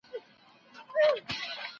پرمختګ يوه اوږده پروسه ده.